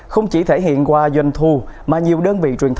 không chỉ thể hiện qua doanh thu mà nhiều đơn vị truyền thông